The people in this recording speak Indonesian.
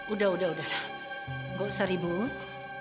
udah udah udahlah gak usah ribut